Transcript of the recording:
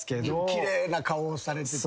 奇麗な顔をされてて。